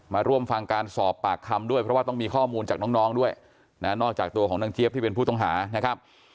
มาร่วมฟังการสอบปากคำด้วยเพราะว่าต้องมีข้อมูลจากน้องด้วยนะนอกจากตัวของนางเจี๊ยบที่เป็นผู้ต้องหานะครับ